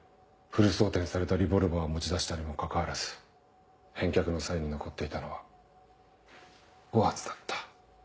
フル装填されたリボルバーを持ち出したにもかかわらず返却の際に残っていたのは５発だった。